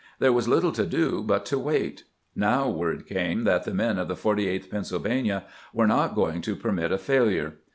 There was little to do but to wait. Now word came that the men of the 48th Pennsylvania were not going to permit a failure.